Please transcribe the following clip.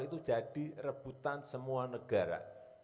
itu jadi rebutan semua negara